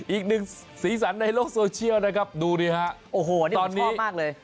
อีกหนึ่งสีสันในโลกโซเชียลนะครับดูดิฮะโอ้โหตอนนี้มากเลย